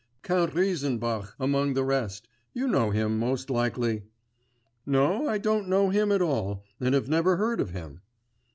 Count Reisenbach among the rest ... you know him most likely.' 'No, I don't know him at all, and have never heard of him.